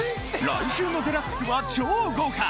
来週の『ＤＸ』は超豪華！